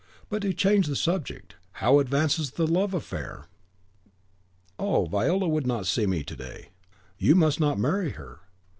But to change the subject, how advances the love affair?" "Oh, Viola could not see me to day." "You must not marry her.